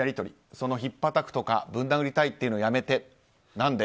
その引っぱたくとかぶん殴りたいとかいうのやめて何で？